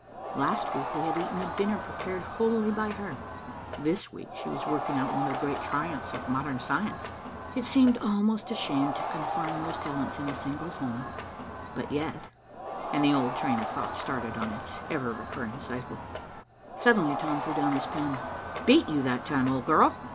Last week we had eaten a dinner prepared wholly by her. This week she was working out one of the great triumphs of modern science. It seemed almost a shame to confine those talents in a single home but yet and the old train of thought started on its ever recurring cycle. Suddenly Tom threw down his pen. "Beat you that time, old girl!"